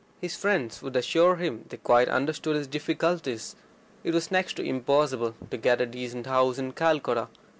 His friends would assure him they quite understood his difficulties: it was next to impossible to get a decent house in Calcutta.